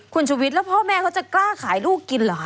คุณชุวิตแล้วพ่อแม่เขาจะกล้าขายลูกกินเหรอคะ